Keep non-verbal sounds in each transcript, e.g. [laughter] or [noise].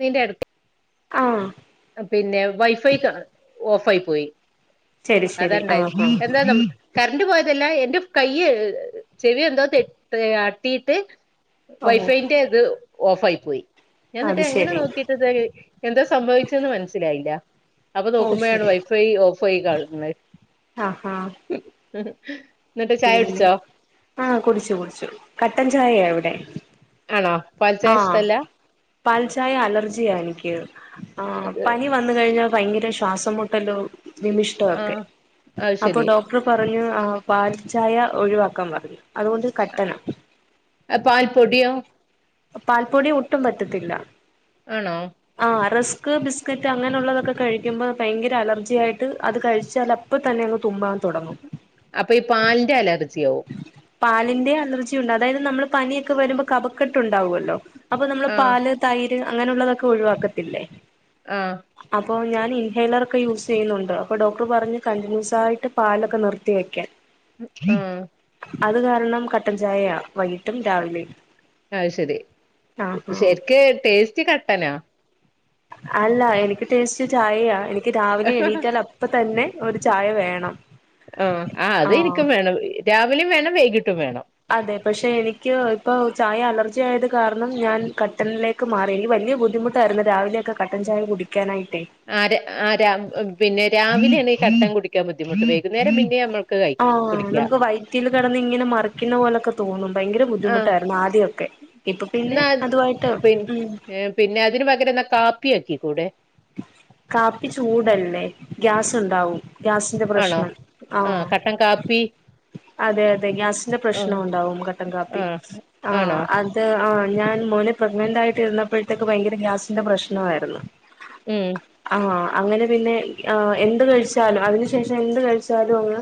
നിന്റെ അടുത്ത് ആഹ്‌ പിന്നെ വൈഫൈ ഓഫായി പോയി. ശരി ശരി അതണ്ട ആഹ് ആഹ് എന്താ കറണ്ട് പോയതല്ല എന്റെ കൈ ചെവി എന്തോ ആട്ടിയിട്ട് ഓ വൈഫൈന്റെ ഇത് ഓഫ് ആയി പോയി ഞ എന്നിട്ട് അത് എങ്ങനെ ശരി നോക്കിട്ട്ത് എന്താ സംഭവിച്ച് മനസിലായില്ല അപ്പൊ ഓ നോക്കുമ്പോഴാണ് ശരി വൈഫൈ ഓഫ് ആയി കാണ്ണെ. ഹ ഉം. പിന്നെ ആഹ്‌ കുടിച്ചു കുടിച്ചു കട്ടൻ ചായ എവിടെ. ആണോ പാൽച്ചായ ആഹ്‌ ഇഷ്ടല്ല പാൽചായ അലർജി ജി ആ എനിക്ക് ആ പനി വന്ന കഴിഞ്ഞാൽ ഭയങ്കര ശ്വാസം മുട്ടല്ലും. വിമിഷ്ടംക്കെ ആഹ് അത് അപ്പൊ ശരി ഡോക്ടർ പ പറഞ്ഞു ആ പാൽചായ ഒഴിവാക്കാൻ പറഞ്ഞു. അതുകൊണ്ട് കട്ടന. പാൽ പൊടിയോ പാൽപ്പൊടി ഒട്ടും പറ്റത്തില്ല. ആണോ? ആ റസ്ക് ബിസ്ക്കറ്റ് അങ്ങനെയുള്ളതൊക്കെ കഴിക്കുമ്പോ ഭയങ്കര അലർജിയായിയിട്ട് അത് കഴിച്ചാൽ അപ്പ തന്നെ തുമ്മാൻ തൊടങ്ങും. അപ്പൊ ഈ പാലിന്റെ അലർജി ആവും. പാലിന്റെ അലർജി ഉണ്ട് അതായത് നമ്മൾ പനിയൊക്കെ വരുമ്പോ കഭക്കെട്ട് ഉണ്ടാവുമല്ലോ? അപ്പൊ നമ്മള് ആഹ് പാല് തൈര് അങ്ങനെയുള്ളതൊക്കെ ഒഴിവാക്കത്തില്ലേ. ആഹ്‌ അപ്പോ ഞാൻ ഇൻഹേയ്ലറ ഒക്കെ യൂസ് ചെയ്യുന്നുണ്ട് അപ്പോ ഡോക്ടർ പറഞ്ഞു കണ്ടിന്യൂസ്സായിട്ട് പാലൊക്കെ നിർത്തി വെക്കാൻ. ആഹ്‌ അത് കാരണം കട്ടൻ ചായയ വൈകിട്ടും രാവിലയും. അയിശരി ശരിക്കി ടേസ്റ്റ് കട്ടനാ. അല്ല എനിക്ക് ടേസ്റ്റ് ചായയ എനിക്ക് രാവിലെ എണീറ്റാൽ അപ്പ തന്നെ ഒരു ചായ വേണം ആ ആ അത് ആഹ് എനിക്കും വേണം രാവിലെയും വേണം വൈകിട്ടും വേണം അതെ പക്ഷെ എനിക്ക് ഇപ്പൊ ചായ അലർജി ആയത് കാരണം ഞാൻ കട്ടനിലേക്ക് മാറി എനിക്ക് വ ലിയ ബുദ്ധിമുട്ടായിരുന്നു രാവിലെയൊക്കെ കട്ടൻ ചായ കുടിക്കാനായിട്ട് ആ രാ ആ രാ പിന്നെ രാവിലെയാണ് ഈ കട്ടൻ കുടിക്കാൻ ബുദ്ധിമുട്ട് വൈകുന്നേരം പിന്നെ നമ്മൾ ആഹ് നമുക്ക് വൈറ്റിൽ കിടന്ന് ഇങ്ങനെ മറിക്കുന്ന പോലൊക്കെ തോന്നും ഭയങ്കര ആഹ് ബുദ്ധിമുട്ടായിരുന്നു ആദ്യമൊക്കെ ഇപ്പൊ പിന്നെ എന്നാ അതുമായിട്ട് ഉം കാപ്പിയാക്കി കാപ്പി ചൂടല്ലേ ഗ്യാസ് ഉണ്ടാവും ഗ്യാസിന്റെ ആണോ പ്രശ്നം ആഹ് കട്ടൻ കാപ്പി അതെ അതെ ഗ്യാസിന്റെ പ്രശ്നം ആഹ് ഉണ്ടാവും കട്ടൻ കാപ്പി ആഹ് ആണോ ആഹ് അത് ആഹ് ഞാൻ മോനെ പ്രഗ്നന്റായിട്ട് ഇരുന്നപ്പഴത്തേക്ക് ഭയങ്കര ഗ്യാസിന്റെ പ്രശ്നവാരുന്നു ഉം ആ അങ്ങനെ പിന്നെ ആ എന്ത് കഴിച്ചാലും അതിന് ശേഷം എന്ത് കഴിച്ചാലും അങ്ങ്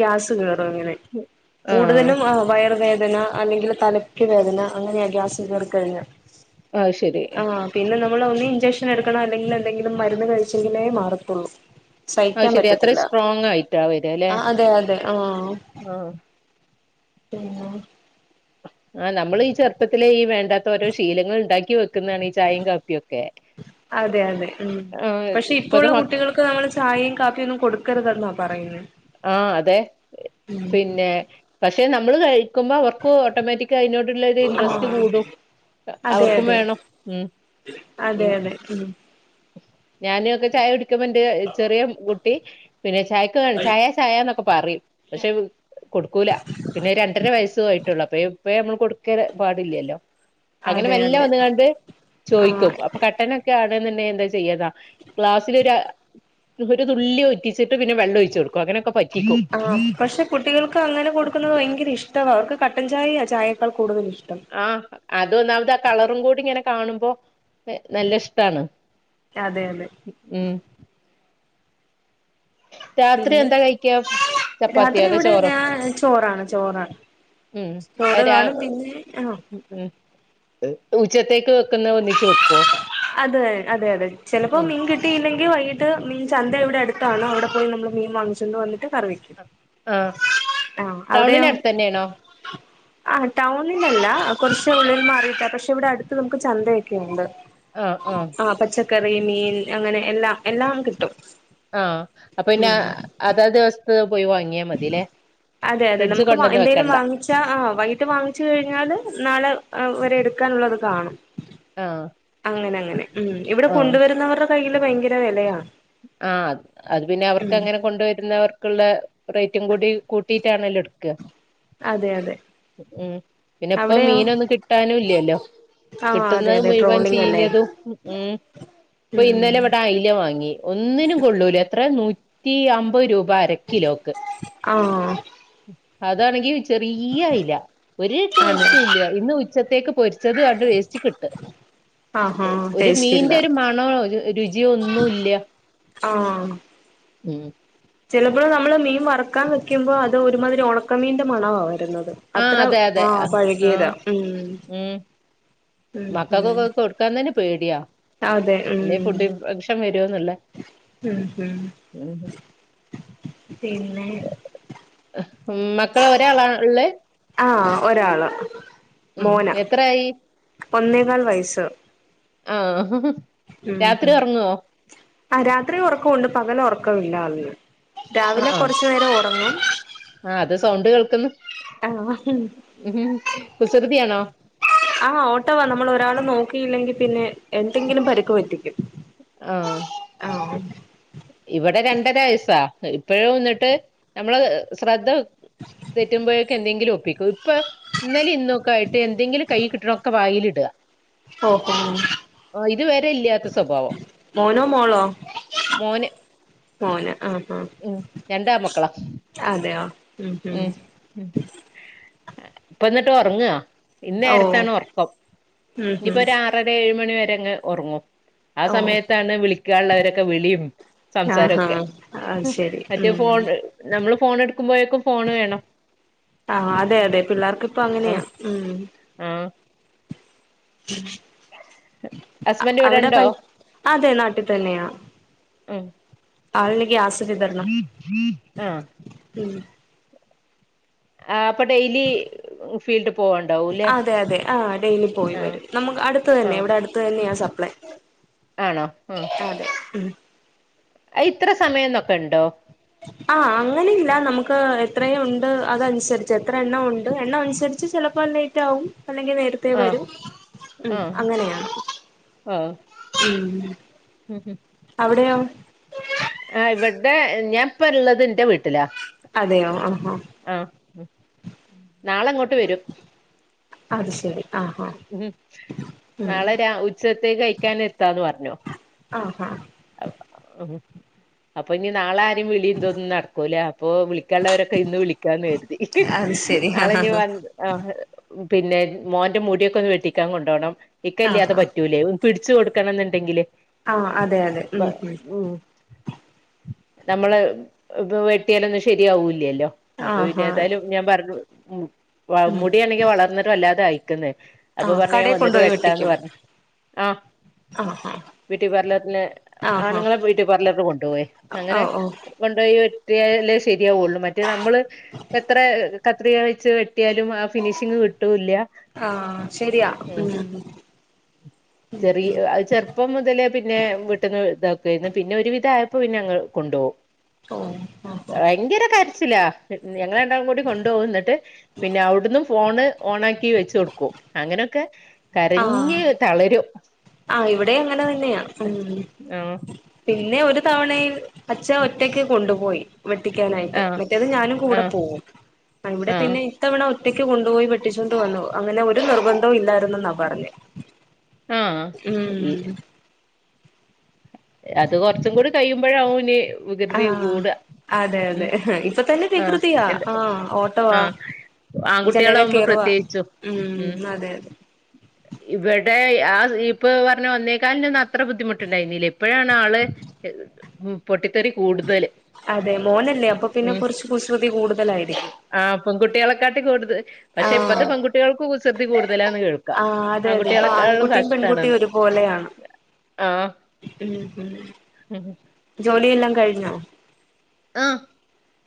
ഗ്യാസ് കയറും ഇങ്ങനെ ആഹ് കൂടുതലും വയറ് വേദന അല്ലെങ്കില് തലക്ക് വേദന അങ്ങനെയാ ഗ്യാസ് കേറി കഴിഞ്ഞാൽ അത് ശരി നമ്മള് ഒന്നേ ഇൻഞ്ചക്ഷൻ എടുക്കണം അല്ലെങ്കിൽ എന്തെങ്കിലും മരുന്ന് കഴിച്ചെങ്കിലേ മാറത്തുള്ളൂ അത് സഹിക്കാൻ ശരി അത്ര പറ്റത്തില്ല സ്ട്രോങ് ആയിട്ടാ വരാ അല്ലെ ആ അതെ അതെ ആഹ് ആഹ് ആഹ് ആ നമ്മള് ഈ ചെറുപ്പത്തിലെ ഈ വേണ്ടാത്ത ഓരോ ശീലങ്ങൾ ഉണ്ടാക്കി വെ ക്കുന്നതാണ് ഈ ചായയും കാപ്പിയുമൊക്കെ അതെ അതെ ഉം പക്ഷെ ഇപ്പ ഇപ്പത്തെ ഉള്ള മക്ക കുട്ടികൾക്ക് നമ്മള് ചായയും കാപ്പിയും ഒന്നും കൊടുക്കരുതെന്നാ പറയുന്നേ ആഹ് അതെ പിന്നെ പക്ഷെ നമ്മള് കഴി ക്കുമ്പോ അവർക്ക് ഓട്ടോമാറ്റിക്ക് അതിനോടുള്ള ഒരു ഇൻട്രസ്റ്റ് ആഹ് കൂടും അതെ അവർക്കും അതെ വേണം ഉം അതെ അതെ ഉം ഞാനും ഒക്കെ ചായ കുടിക്കുമ്പോ എന്റെ ചെറിയ കുട്ടി പിന്നെ ചായക്ക് ചായ ചായാന്നൊക്കെ പറയും പക്ഷെ കൊടുക്കൂല പിന്നെ രണ്ടര വയസ്സു ആയിട്ടുള്ളൂ അപ്പൊ ഇപ്പേ നമ്മള് കൊടുക്ക പാടില്ലല്ലോ അങ്ങനെ അതെ മെല്ലെ അതെ വന്നങ്ങാണ്ട് ആഹ് ചോദിക്കും അപ്പൊ കട്ടനൊക്കെ ആണേന്നുണ്ടേൽ [unintelligible] ഗ്ലാസിൽ ഒര ഒരു തുള്ളി ഒറ്റിച്ചിട്ട് പിന്നെ വെള്ളം ഒഴിച്ചു കൊടുക്കും അങ്ങനൊക്കെ പ ആ പക്ഷെ കുട്ടികൾക്ക് അങ്ങനെ കൊടുക്കുന്നത് ഭയങ്കര ഇഷ്ടവാ അവർക്ക് കട്ടൻചായയാ ചായേക്കാൾ കൂടുതൽ ഇഷ്ടം ആഹ് അത് ഒന്നാമത് ആ കളറും കൂടിങ്ങനെ കാണുമ്പോ നല്ല ഇഷ്ടാണ് അതെ അതെ ഉം രാത്രി പിന്നെ എന്താ കഴിക്കുക ചപ്പാത്തിയോ രാത്രി അതോ ഇവിടെ ചോറോ ഞാൻ ചോറാണ് ചോറാണ് ഉം ആ ചോറ് രാ കാണും പിന്നെ ആഹ് ഉച്ചത്തേക്ക് വെക്കുന്നത് ഒന്നിച്ച് വെക്കുവോ അതെ അതെ അതെ ചിലപ്പോ ഉം മീൻ കിട്ടിയില്ലെങ്കിൽ വൈ കിട്ട് മീൻ ചന്ത ഇവിടെ അടുത്താണ് അവിടെ പോയി നമ്മള് മീൻ വാങ്ങിച്ചോണ്ട് വന്നിട്ട് കിട്ട് കറിവക്കും ആഹ് ആ അവിടെയോ ടൗണിന് അടുത്ത് തന്നെയാണോ ആ ടൗണിലല്ല കുറച്ച് ഉള്ളിൽ മാറിയിട്ടാ പക്ഷെ ഇവിടെ അടുത്ത് നമുക്ക് ചന്തയൊക്കെയുണ്ട് ആഹ് ആഹ് കറി മീൻ അങ്ങനെ എല്ലാം എല്ലാം കിട്ടും ആഹ അപ്പൊ പിന്നെ ഉം അതാ ദിവസ്ഥ ങ്ങിയ മതിയല്ലേ അതെ അതെ നമുക്ക് എന്തേലും വാങ്ങിച്ചാ ആ വൈകിട്ട് വാങ്ങിച്ചു കഴിഞ്ഞാല് നാളെ വരെ എടു ക്കാനുള്ളത് കാണും ഉ അങ്ങനെ അങ്ങനെ ഉം ഇവിടെ കൊണ്ടുവരുന്നവരുടെ കയ്യിൽ ഭയങ്കര വെലയാ ആഹ് അത് പിന്നെ അവർക്ക് അങ്ങനെ കൊണ്ടുവരുന്നവർ ള്ള റേറ്റും കൂടി കൂട്ടിയിട്ടാണെല്ലും എടുക്കുക അതെ അതെ ഉം പിന്നെ ഇപ്പൊ അവിടെയോ മീനൊന്നും കിട്ടാനും ഇല്ലല്ലോ ആ അതെ കിട്ടുന്ന അതെ മുഴുവൻ ട്രോളിങ് അല്ലേ ചീഞ്ഞതും ഉ ഇപ്പൊ ഇന്നലെ ഉം ഇവിടെ അയില വാങ്ങിയ ഒന്നിനും കൊള്ളൂല എത്ര നൂറ്റി അമ്പത് രൂപ വരക്കിലോക്ക് ആ അതാണെങ്കി ചെറിയ അയില ഒരു അതെ ടേസ്റ്റ ഇല്ല ഇന്ന് ഉച്ചത്തേക്ക് പൊരിച്ചത് കണ്ട് വേസ്റ്റി കിട്ട് ആഹാ ഒരു ടേസ്റ്റ് ഇല്ല മീന്റെ ഒരു മണോ രുചിയോ ഒന്നും ഇല്ല ആഹ ഉം ചിലപ്പോൾ നമ്മള് മീൻ വറക്കാൻ വെക്കുമ്പോ അത് ഒരുമാതിരി ഒണ ണക്കമീന്റെ മണവാ വരുന്നത് ആഹ് അത്ര അതെ അതെ ആ പഴകിയതാ ഉ മക്കൾക്കൊക്ക ഒെ കൊടുക്കാൻ തന്നെ പേടിയാ അതെ ഉം പിന്നെ ഫുഡപക്ഷം വരും രൊന്നുള്ള ഉം ഉം പിന്നെ [unintelligible] മക്കളെ ഒരാളാ ഉള്ളെ ആഹ് ഒരാള് മോന എത്രായി ഒന്നേകാൽ വയസ്സ് ആഹ ഉം ഹ ആ രാത്രി ഉറക്കുണ്ട് പകല ഉറക്കമില്ല അതിന്ന് രാവിലെ കൊറച്ചു നേരം ഉറങ്ങും ആ അത് സൗണ്ട് കേൾക്കുന്നു ആഹ് ഉ കുസൃതിയാണോ ആഹ ഓട്ടോവാ നമ്മൾ ഒരാള നോക്കിയില്ലെങ്കി പിന്നെ എന്തെങ്കിലും പരുക്ക പറ്റിക്കും ആഹ് ആ ഇവിടെ രണ്ടര വയസാ ഇപ്പഴും വന്നിട്ട് നമ്മള് ശ്രദ്ധ തെറ്റുമ്പോഴേക്കെ എന്തെങ്കിലും ഒപ്പിക്കും ഇപ്പൊ ഇന്നലെ ഇന്നൊക്കെ ആയിട്ട് എന്തെങ്കിലും കൈ കിട്ടണ ഒക്കെ വായിൽ ഇടുക ഓഹോ ആ ഇതുവരെ ഇല്ലാത്ത സ്വഭാവം മോനോ മോളോ മോന് മോന് ആഹ് ആഹ് ഉ രണ്ടാ മക്കള ഉ ഉം ഇപ്പ എന്നിട്ട് ഉറങ്ങുവ ഇന്ന് ഓഹ് നേരത്താണ് ഉറക്കം ഉം ഇനിയിപ്പോൊ ഉം ഒരു ആറര ഏഴ മണി വരെങ്ങ് ഉറങ്ങും ആ ഓഹ് സമയത്താണ് വിളിക്കാനുള്ളവരൊക്കെ വിളിയും ആഹാ സംസാരൊക്കെ അത് ശരി മത്യാ ഫോൺ ഉം നമ്മള് ഫോൺ എടുക്കുമ്പോഴേക്കും ഫോണ് വേണം ആഹ അതെ അതെ പിള്ളേർക്ക് ഇപ്പ അങ്ങനെയാ ആഹ് ഉ ആഹ് ഹസ്ബൻഡ് ഇവിടെ അവിടെ ഉണ്ടോ പൈ അതെ നാട്ടിൽ തന്നെയാ ആഹ ആൾനിക ആസതതർണ ആഹ് ഉം ആ അപ്പൊ ഡെയിലി ഫീൽഡ് പോവണ്ടാവൂല്ലേ അതെ അതെ ആ ഡെയിലി പോയി ആഹ് വരും നമുക്ക് അടുത്ത തന്നെ ആഹ് ഇവിടെ അടുത്ത് തന്നെയ ളേ ആണോ ആ ഇത്ര സമയംന്നൊക്കെ ഉണ്ടോ ആ അങ്ങനെല്ല നമുക്ക് എത്രയും ഉണ്ട് അതനുസരിച്ച് എത്ര എണ്ണം ഉണ്ട് എണ്ണം അനുസരിച്ച് ചിലപ്പോ പ്പ ലൈറ്റാവും അല്ലെങ്കിൽ നേരത്തെ ആഹ് വരും ഉം ആഹ് അങ്ങനെയാണ് ആഹ് ഉം ഉം ഹം അവിടെയാവും ആ് ഇവിടെ ഞാൻപ്പള്ളത് എന്റെ വീട്ടിലാ അതെയോ ആഹഹ നാളങ്ങോട്ട് വരും അത് ശരി ആഹാ ഉ ഉം നാളെ രാ ഉച്ചത്തേക്ക് കൈക്കാൻ എത്താന്ന് പർഞ്ഞോ ആഹാ അ അപ്പൊ ഇനി നാളെ വിളി ഇതൊന്നും നട്ക്കൂല അപ്പോ വിളിക്കേണ്ടവരൊക്കെ ഇന്ന് വിളിക്കാന്ന് കരുതി അത് ശരി നാളെനി ആഹ് വന്ന് ആ പിന്നെ മോന്റെ മുട്യൊക്കൊന്ന് വെട്ടിക്കാൻ കൊണ്ടോണം ഇക്കെല്ല്യാതെ ആഹാ പറ്റൂലേ പിടിച്ചു കൊടുക്കണന്നുണ്ടെങ്കില് ആഹ് അതെ അതെ ഉം മ ഉം നമ്മള് ഇപ്പ വെട്ട്യാലൊന്നും ശരിയാവൂല്ല്യല്ലോ അപ്പൊ പിന്നെ ആഹാ ഏതായാലും ഞാൻ പർഞ്ഞു ഏ ഉം മുട്യാണെങ്കി വളർന്നിട്ട് വല്ലാതെ ആയിക്കിന്ന് അപ്പൊ ആഹ് പർഞ്ഞാ കടേ വന്നിട്ട് കൊണ്ടുപോയി വെട്ടിന്ന് വെട്ടിക്കും പർഞ്ഞ് ആഹ് ആഹാ ബ്യൂട്ടി പാർലർ പിന്ന ആഹാ ആണിങ്ങളെ ബ്യൂട്ടി പാർലർല് കൊണ്ടോവേ ഓ അങ്ങനെ ഓ കൊണ്ടേയി വെട്ട്യാലെ ശരിയാവുള്ളൂ മറ്റെ നമ്മള് എത്ര കത്രിക വച്ച് വെ ട്ട്യാലും ആ ഫിനിഷിങ് കിട്ടൂല്ല ആഹ് ശരിയാ ഉം ചെറി അ ചെർപ്പം മുതലേ പിന്നെ വീട്ടിന്ന് ഇതാ ഏന്ന് പിന്നെ ഒരു വിധായപ്പോ പിന്നങ്ങൾ കൊണ്ടോവും ഓ ആഹാ ഭയ്ങ്കര കരച്ചിലാ ഞങ്ങള് രണ്ടാളും കൂടി കൊണ്ടോവും ഇന്നിട്ട് പിന്നെ അവ്ടുന്നും ഫോണ് ഓണാക്കി വെച്ചൊട്ക്കും അങ്ങനൊക്കെ ആഹ് കരഞ്ഞ് തളരും ആഹ് ഇവിടീം അങ്ങനെ തന്ന്യാ ഉം ആഹ് പിന്നെ ഒരു തവണേൽ അച്ഛൻ ഒറ്റക്ക് കൊണ്ടുപോയി വെട്ടിക്കാനായിട്ട് ആഹ് മറ്റേത് ഞാനും കൂടെ പോവും ഇവിടെ ആഹ് പിന്നെ ഇത്തവണ ഒ ഒറ്റക്ക് കൊണ്ടുപോയി വെട്ടിച്ചോണ്ട് വന്നു അങ്ങനെ ഒരു നിർബന്ധോം ഇല്ലാരുന്നെന്നാ പറഞ്ഞേ ആഹ് ആഹ് ഈ ഉം അത് കൊർച്ചും കൂടി കഴിയുമ്പോഴാവോന് വികൃതി ആഹ് കൂട അതെ ഉം അതെ ഇപ്പൊ തന്നെ ആഹ് വികൃതിയാ എന്താ ആഹ് ഓട്ടവാ ആഹ് ജനലേ ആങ്കുട്ട്യാളമ്പോ കേറുവാ പ്രത് യേച്ചും ഉം അതെ അതെ ഇവിടെ ആ ഇപ്പോ പർഞ്ഞെ ഒന്നേ കാൽനൊന്നും അത്ര ബുദ്ധിമുട്ടിണ്ടായിര്ന്നില്ല ഈപ്പൊഴാണ് ആള് പൊട്ടി അതെ മോനല്ലേ അപ്പോ പിന്നെ കൊർച്ച് കുസൃതി കൂടുതലായി ആ പെങ്കുട്ട്യാളെക്കാട്ടിം കൂടുതൽ പഷെപ്പത്തെ ആഹ് പെങ്കുട്ട്യാൾക്കും കുസൃതി കൂടു ആഹ് അതെ അതെ ഇപ്പോ ആൺകുട്ടിം പെൺകുട്ടിം കഷ്ടാണെന്ന് ഒരുപോലെയാണ് ആഹ് ഉം ഉം ജോലിയെല്ലാം കഴിഞ്ഞോ? ആ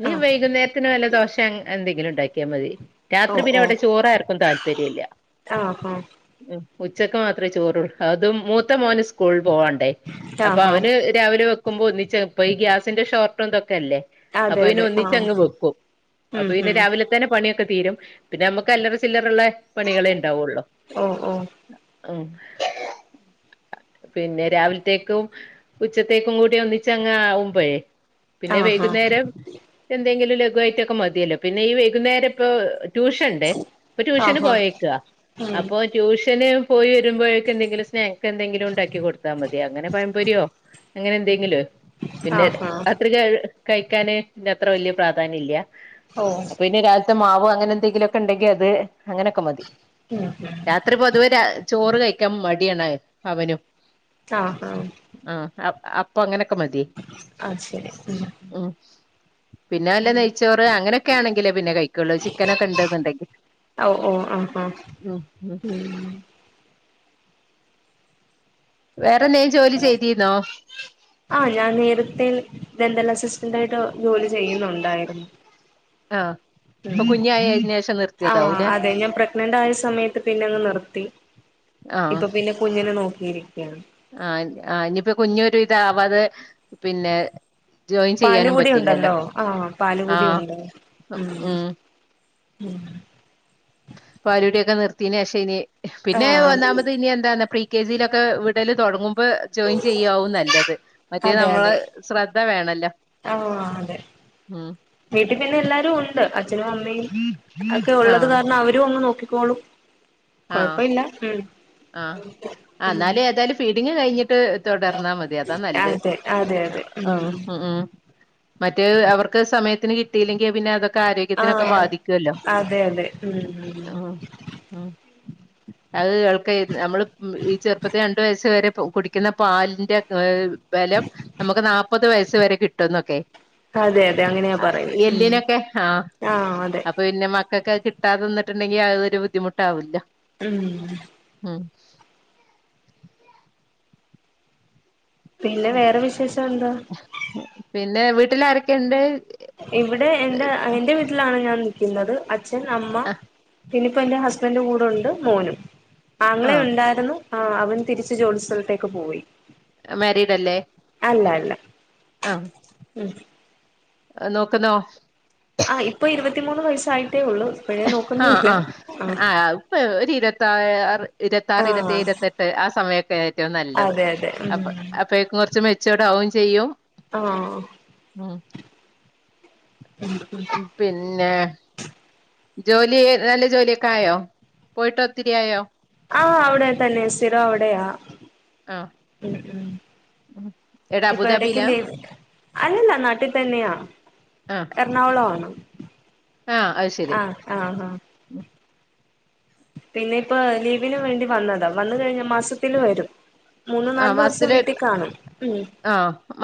ഇനി ആഹ് വൈകുന്നേര്ത്തിന് വല്ല ദോശെ എന്തെങ്കിലും ഇണ്ടാക്കിയാ മതി ഓ രാത്രി പിന്നെ ഓ ഇവിടെ ചോറ് ആർക്കും താല്പര്യെല്ല ആഹ് ആഹ് ഉച്ചക്ക് മാത്രേ ചോറുള്ള് അതും മൂത്ത മോന് സ്കൂൾ പോവാണ്ടേ അപ്പോ ആഹ് അവന് രാവിലെ വെക്കുമ്പോ ഒന്നിച്ച് ഇപ്പം ഈ ഗ്യാസിന്റെ ഷോർട്ടും ഇതൊ ക്കല്ലേ അപ്പോ അതെ പിന്നെ അതെ ആഹ് ഒന്നിച്ചങ്ങ് വെക്കും ഉം അപ്പോ പിന്നെ ഉം രാവിലെ തന്നെ പണിയൊ ക്കെതീരും പിന്നമ്മക്ക് അല്ലറ ചില്ലറല്ലെ പണികളെ ഇണ്ടാവൊള്ളൂ ഓ ഓ ഉം പിന്നെ രാവിൽത്തേക്കും ഉച്ചത്തേക്കും കൂടി ഒന്നിച്ചങ്ങാമ്പോഴേ പിന്നെ ആഹ് വൈകുന്നേരം എന്തെങ്കിലും ലഘുവായ്ട്ടൊക്കെ മത്യെല്ലോ പിന്നെ ഈ വൈകുന്നേരം ഇപ്പോ ട്യൂഷണ്ടേ ഇപ്പോ ആഹ് ട്യൂഷന് ആഹ് പോയേക്കാ ഉം അപ്പോ ട്യൂഷന് പോയെരുമ്പോഴേക്കെന്തെങ്കിലും സ്നാക്ക് എന്തെങ്കിലും ഇണ്ടാക്കി കൊടുത്താ മതി അങ്ങനെ പയംപൊര്യോ അങ്ങനെ എന്തെങ്കിലോ ആഹ് ഹ [unintelligible] കൈക്കാനേ ഇനി അത്ര പ്രാധാന്യല്ല ഓ അപ്പോ ഇനി കാൽത്തെ മാവ് അങ്ങനെ എന്തെങ്കിലും ഒക്കെ ഉണ്ടെങ്കി അത് അങ്ങനൊക്കെ മതി ഉം ഉം രാത്രി പൊതുവേ രാ ചോറ് കഴ് കെ മട്യാണ് അവനും ആഹ് ആഹ് അ അപ്പൊ അങ്ങനൊക്കെ മതി ശെരി ഉം പിന്നെ വല്ല നെയ്ച്ചോറ് അങ്ങനെയൊക്കെ ആണെങ്കിലേ പിന്നെ കഴിക്കൊള്ളൂ ചിക്കനൊക്കെ ഇണ്ട്ന്ന്ണ്ടെങ്കി. ഓ ആ ആ ഉം വേറെ എന്തേലും ജോലി ചെയ്തിരുന്നോ ആഹ ഞാൻ നേരത്തെ ദന്തല്ലാ സിസ് ണ്ടായിട്ട് ജോലി ചെയ്യ്ന്നുണ്ടായിര്ന്നു. ആഹ് ഇപ്പൊ കുഞ്ഞായിഴിഞ്ഞാല്‍ ആഹ അതെ ഞാൻ പ്രഗ്നൻറ് ആയ സമയത്ത് പിന്നെ അങ് നിർത്തി. ഇപ്പൊ പിന്നെ കുഞ്ഞിനെ നോക്കിയിരിക്ക്യാണ്. ആ ആ ഇനിയിപ്പോ കുഞൊരു ഇതാവാതെ പിന്നെ ജോയിൻ ചെയ്യാനും പാല്കുടി പറ്റില്ലല്ലോ ഉണ്ടല്ലോ ആ ആഹ് പാലുകുടിണ്ട് ഉം. ഉം പാലുടിയൊക്കെ നിർത്യോനേശനി പിന്നെ ആഹ് ഒന്നാമത് ഇനി എന്താന്ന് ഫ്രീ കെ ജിയിലൊക്കെ വിടല് തൊട്ങ്ങും. ബ് ജോയിൻ ചെയ്യാവും നല്ലത് മറ്റേ നമ്മള് സ്രദ്ധ വേണല്ലോ. ആ അതെ. ഉം വീട്ടിൽ പിന്നെ എല്ലാരുണ്ട് അച്ഛനും അമ്മയും ഒക്കെ ഉള്ളത് ആഹ് കാരണം അവര് ര്‌വന്ന് നോക്കിക്കോളും. ആഹ് കൊഴപ്പമില്ല ഉം ആ ഉം എന്നാല് ഏതായാലും ഫീടിങ്ങ് കഴിഞ്ഞി ഇട്ട് തൊടർന്നാമതി അതാ നല്ലെ അതെ അതെ അതെ ആഹ് ഉം മറ്റേ അവർക്ക് സമയത്തിന് കിട്ടിയില്ലെങ്കി പിന്നെ അതൊ ആരോഗ്യത്തിനൊക്കെ ആഹ് ബാധിക്യൂല്ലോ അതെ അതെ ഉം ഉം ആഹ് ആഹ് അഹ് കേൾക്കെ നമ്മൾ ഈ ചെറുപ്പത്തി രണ്ട് വയസ് വരെ കുടിക്കിന്ന പാലിന്റെ അഹ് ബെലം നമുക്ക് ന്നാപത് വയസ്സ് വരെ കിട്ടുംന്നൊക്കെ. അതെ അതെ അങ്ങനെയാ ആഹ് പറയുന്നെ ഉം എല്ലിനൊക്കെ ആഹ് ആഹ് അതെ അപ്പൊ പിന്നെ മ [unintelligible] കിട്ടാതെനിന്നിട്ടണ്ടെങ്കിൽ അതൊരു ബുദ്ധിമുട്ടാവലോ. ഉം. [inaudible] പിന്നെ വേറെ വിശേഷം എന്താ? വീട്ടിലാരൊക്കെണ്ട്. ഇവിടെ എന്റെ എന്റെ വീട്ടിലാണ് ഞാൻ നികിന്നത് അച്ഛൻ അമ്മ പിന്നയിപ്പോ എന്റെ ഹസ്ബന്റ് കൂടൊണ്ട്. മോനും ആങ്ങളെ ആഹ് ഇണ്ടാരുന്നു. ആ അവൻ തിരിച്ച് ജോലി സ്ഥലത്തേക്ക് പോയി. മേരീഡല്ലേ? ഇല്ല ഇല്ല. ആഹ് മ്മ്. നോക്കുന്നോ ആഹ് ഇപ്പോ ഇരുപത്തിമൂന്ന് വയസ്സായി. ആഹ് ആഹ് ആഹ് ആ ഇപ്പൊ ഒരു ഇരുത്തി ഇരുപത്താർ ഇരുത്താറ് ഇരുത്തെയ് ആഹ് ഇരുപത്തെട്ട് ആ സമയൊക്കെ ഏറ്റുംനല്ലത് അതെ അതെ ഉം അപ്പ അപ്പയേക്കും കൊർച്ച് മെച്ചോടാവും ചെയ്യും. ആഹ്. ഉം പിന്നെ? ജോലി നല്ല ജോലിയൊക്കെ ആയോ പോയിട്ട് ഒത്തിരി ആയോ? ആഹ് അവിടെ തന്നെ സ്ഥിരം അവിടെയാ ആഹ് മ് മ്. എടാ ഇപ്പൊ എടക്ക് അബുദാബിയിലാ ലീവ് അല്ലല്ലാ നാട്ടിൽ തന്നെയാ ആഹ് എർണാകുളാണ്. ആഹ് അഹ് ശെരി. ആഹ് പിന്നെ ഇപ്പോ ലീവിന് വേണ്ടി വന്നതാ വന്ന കയിഞ്ഞാ മാസത്തില് വരും. മൂന്ന് ആഹ് നാല് ദിവസം മാസത്തില് വീട്ടി കാണും ഉം. ആഹ്